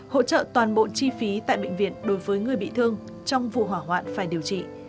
hỗ trợ toàn bộ chi phí tại bệnh viện đối với người bị thương trong vụ hỏa hoạn phải điều trị